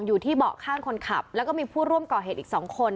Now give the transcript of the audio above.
อยู่ที่เบาะข้างคนขับแล้วก็มีผู้ร่วมก่อเหตุอีก๒คน